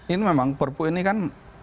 ini memang perpu ini kan